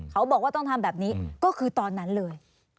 เขาบอกว่าต้องทำแบบนี้ก็คือตอนนั้นเลย